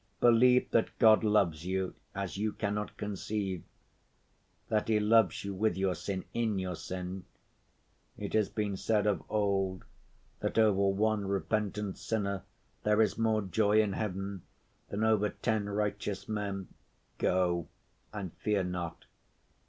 Believe that God loves you as you cannot conceive; that He loves you with your sin, in your sin. It has been said of old that over one repentant sinner there is more joy in heaven than over ten righteous men. Go, and fear not.